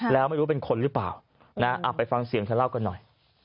แล้วไม่รู้เป็นคนหรือเปล่านะไปฟังเสียงเธอเล่ากันหน่อย